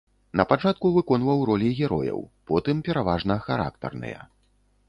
Напачатку выконваў ролі герояў, потым пераважна характарныя.